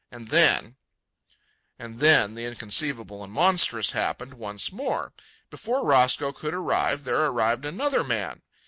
And then— And then the inconceivable and monstrous happened once more. Before Roscoe could arrive there arrived another man.